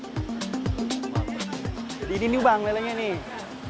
jadi ini bang lelenya nih